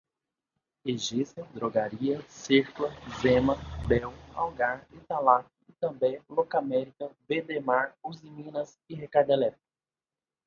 Egesa, Drogaria, Sercla, Zema, Bel, Algar, Italac, Itambé, Locamerica, Verdemar, Usiminas, Ricardo Eletro